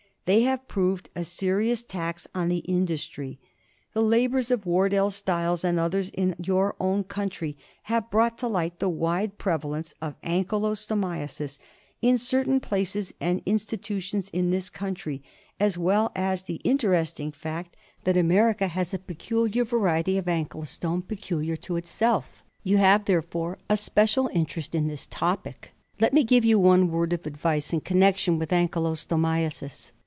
They have proved a serious tax on the in dustry. The labours of Wardell Stiles and others in your own country have brought to light the wide prevalence of Ankylostomiasis in certain places and institutions in this country, as well as the interesting fact that America has a variety of ankylostome peculiar to IN MINES. 25 itself. You have, therefore, a special interest in this subject. Let me give you one word of advice in connection with Ankylostomiasis.